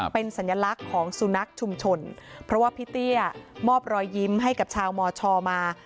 เป็นสัญลักษณ์ของสุนัขชุมชนเพราะว่าพี่เตี้ยมอบรอยยิ้มให้กับชาวมชมา